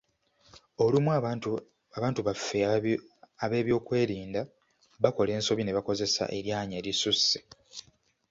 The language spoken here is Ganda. Olumu abantu baffe ab’ebyokwerinda bakola ensobi ne bakozesa eryanyi erisusse.